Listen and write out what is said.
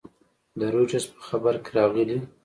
د رویټرز په خبر کې راغلي